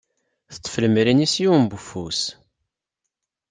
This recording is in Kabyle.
Teṭṭef lemri-nni s yiwen n ufus.